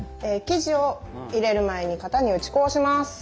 生地を入れる前に型に打ち粉をします。